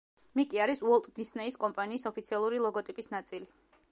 მიკი არის უოლტ დისნეის კომპანიის ოფიციალური ლოგოტიპის ნაწილი.